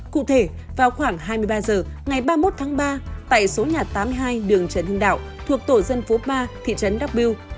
cụ thể vào khoảng hai mươi ba h ngày ba mươi một tháng ba tại số nhà tám mươi hai đường trần hưng đạo thuộc tổ dân phố ba thị trấn đắk biêu